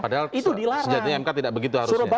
padahal sejajarnya mk tidak begitu harusnya itu dilarang